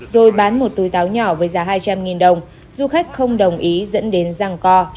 rồi bán một túi táo nhỏ với giá hai trăm linh đồng du khách không đồng ý dẫn đến răng co